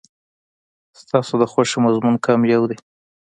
ستاسو د خوښې مضمون کوم یو دی؟